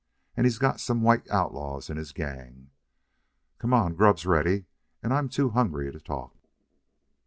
And he's got some white outlaws in his gang.... Come on. Grub's ready, and I'm too hungry to talk."